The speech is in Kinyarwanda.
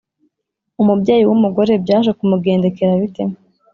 Umubyeyi w’umugore byaje kumugendekera bite?